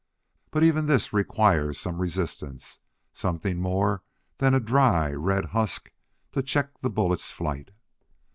But even this requires some resistance something more than a dry, red husk to check the bullet's flight.